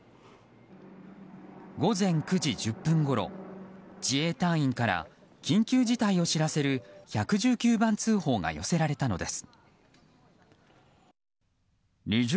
午前９時１０分ごろ自衛隊員から緊急事態を知らせる１１９番通報が寄せられたのです。